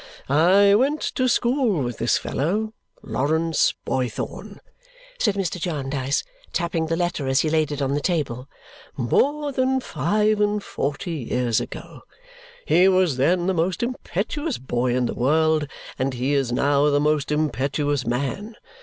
"I went to school with this fellow, Lawrence Boythorn," said Mr. Jarndyce, tapping the letter as he laid it on the table, "more than five and forty years ago. He was then the most impetuous boy in the world, and he is now the most impetuous man.